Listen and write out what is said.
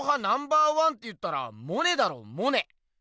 ナンバーワンっていったらモネだろモネ！